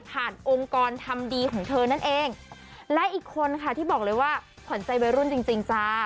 องค์กรทำดีของเธอนั่นเองและอีกคนค่ะที่บอกเลยว่าขวัญใจวัยรุ่นจริงจริงจ้า